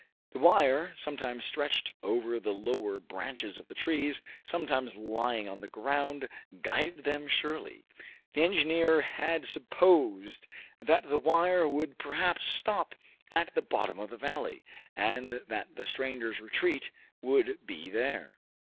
The wire, sometimes stretched over the lower branches of the trees, sometimes lying on the ground, guided them surely. The engineer had supposed that the wire would perhaps stop at the bottom of the valley, and that the stranger's retreat would be there.